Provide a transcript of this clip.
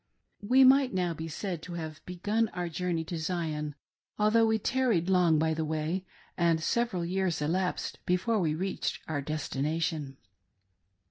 We might now be said to have begun our journey to Zion, although we tarried long by the way, and several years elapsed before we reached our destination.